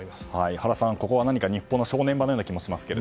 原さん、ここは日本の正念場のような気もします。